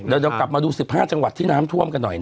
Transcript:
เดี๋ยวน้องกลับมาดูสิบห้าจังหวัดที่น้ำท่วมกันหน่อยนะ